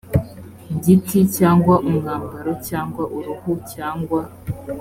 giti cyangwa umwambaro cyangwa uruhu cyangwa